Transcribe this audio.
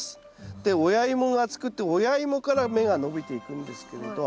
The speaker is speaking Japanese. で親イモが作って親イモから芽が伸びていくんですけれど。